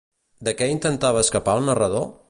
De què intentava escapar el narrador?